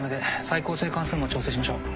再構成関数も調整しましょう。